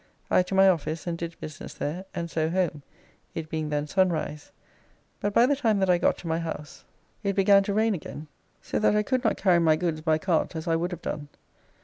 I to my office and did business there, and so home, it being then sunrise, but by the time that I got to my house it began to rain again, so that I could not carry my goods by cart as I would have done.